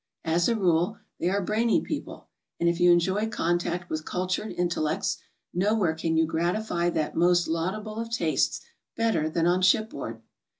As a rule, they are brainy peo ple, and if you enjoy contact with cultured intellects, no where can you gratify that most laudable of tastes better than on shipboard.